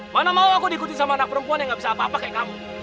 mana mau aku diikuti sama anak perempuan yang gak bisa apa apa kayak kamu